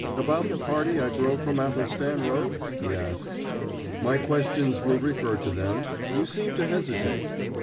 "About the party I drove from Athelstan Road?" he asked. "My questions will refer to them. You seem to hesitate."